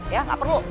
ya gak perlu